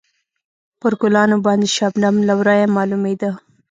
پر ګلانو باندې شبنم له ورایه معلومېده.